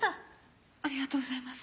ありがとうございます。